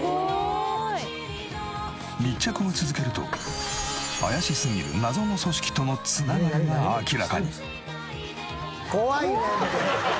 密着を続けると怪しすぎる謎の組織との繋がりが明らかに。